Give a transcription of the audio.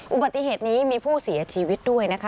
อุบัติเหตุนี้มีผู้เสียชีวิตด้วยนะคะ